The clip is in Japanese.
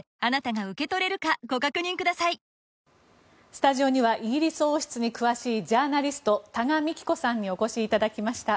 スタジオにはイギリス王室に詳しいジャーナリスト多賀幹子さんにお越しいただきました。